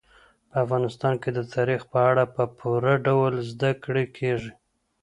په افغانستان کې د تاریخ په اړه په پوره ډول زده کړه کېږي.